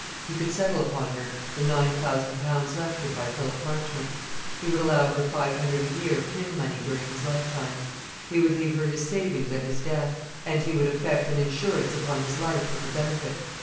He could settle upon her the nine thousand pounds left him by Philip Marchmont. He would allow her five hundred a year pin money during his lifetime; he would leave her his savings at his death; and he would effect an insurance upon his life for her benefit.